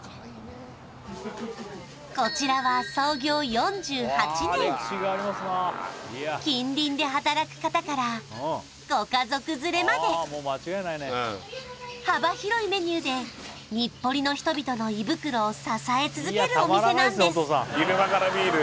こちらは創業４８年近隣で働く方からご家族連れまで幅広いメニューで日暮里の人々の胃袋を支え続けるお店なんです